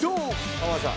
浜田さん。